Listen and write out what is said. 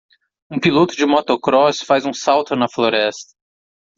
Um piloto de motocross faz um salto na floresta.